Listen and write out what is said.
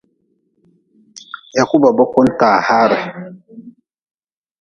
Yaku ba boku-n taa haare.